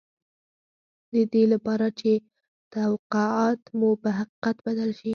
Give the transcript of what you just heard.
د دې لپاره چې توقعات مو په حقيقت بدل شي.